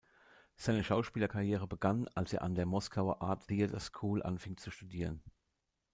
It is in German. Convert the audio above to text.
Seine Schauspielerkarriere begann, als er an der "Moskauer Art Theatre School" anfing zu studieren.